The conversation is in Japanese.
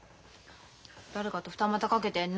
誰かと二股かけてんの？